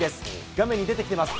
画面に出てきてます。